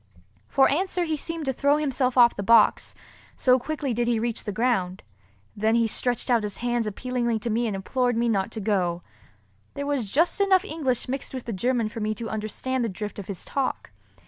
For answer he seemed to throw himself off the box, so quickly did he reach the ground. Then he stretched out his hands appealingly to me and implored me not to go. There was just enough of English mixed with the German for me to understand the drift of his talk.